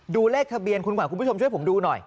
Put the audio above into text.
เลขทะเบียนคุณขวัญคุณผู้ชมช่วยผมดูหน่อย